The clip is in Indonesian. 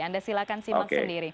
anda silakan simak sendiri